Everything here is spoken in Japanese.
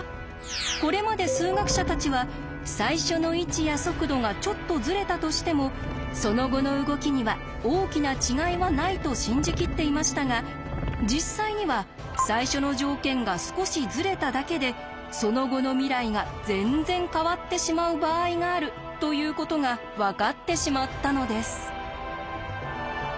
これまで数学者たちは最初の位置や速度がちょっとズレたとしてもその後の動きには大きな違いはないと信じきっていましたが実際には最初の条件が少しズレただけでその後の未来が全然変わってしまう場合があるということが分かってしまったのです。